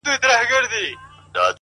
لکه ملنگ چي د پاچا د کلا ور ووهي”